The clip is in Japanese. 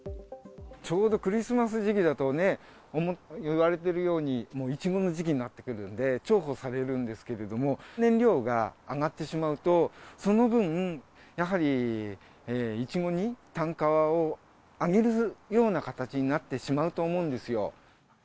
ちょうどクリスマス時期だとね、言われているようにいちごの時期になってくるんで、重宝されるんですけれども、燃料が上がってしまうと、その分、やはり、いちごの単価を上げるような形になってしまうと思うんですよ。